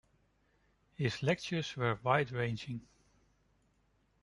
His lectures were wide-ranging.